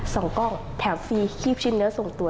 สองกล้องแถมฟรีคีบชิ้นเนื้อส่งตัว